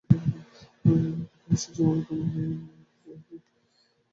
কিন্তু অবশেষে তাঁহাকে আমায় মানিতে হইয়াছে।